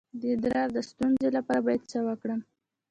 د ادرار د ستونزې لپاره باید څه وکړم؟